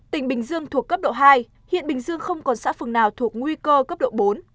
tỉnh bình dương thuộc cấp độ hai hiện bình dương không còn xã phường nào thuộc nguy cơ cấp độ bốn